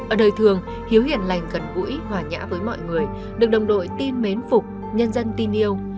ở đời thường hiếu hiền lành gần gũi hòa nhã với mọi người được đồng đội tin mến phục nhân dân tin yêu